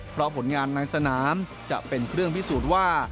เพราะผลงานในสนามจะเป็นเครื่องพิสูจน์ว่า